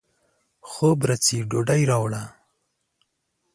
خوب راځي ، ډوډۍ راوړه